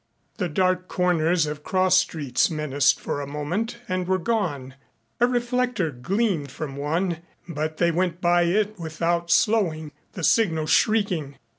The dark corners of cross streets menaced for a moment and were gone. A reflector gleamed from one, but they went by it without slowing, the signal shrieking.